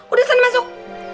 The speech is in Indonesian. udah sana masuk